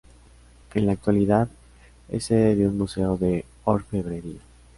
En la actualidad es sede de un museo de orfebrería.